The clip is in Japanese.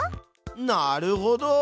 なるほど！